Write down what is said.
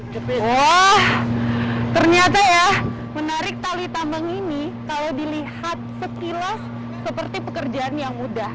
tapi wah ternyata ya menarik tali tambang ini kalau dilihat sekilas seperti pekerjaan yang mudah